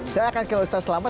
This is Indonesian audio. saya akan ke ustaz selamat